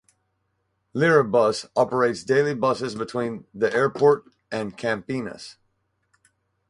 Lirabus operates daily buses between the airport and Campinas.